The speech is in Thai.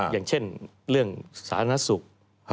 อย่างเช่นเรื่องสถานะศุกร์